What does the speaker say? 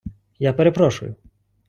Я перепрошую!